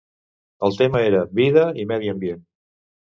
El tema era Vida i medi ambient.